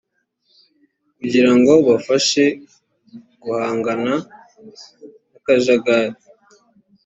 kugira ngo bafashe guhangana n’akajagari